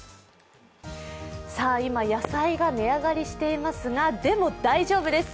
今、野菜が値上がりしていますが、でも大丈夫です。